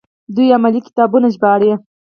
دوی علمي کتابونه ژباړي.